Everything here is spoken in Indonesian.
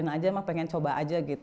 ya udahlah biarin aja pengen coba aja gitu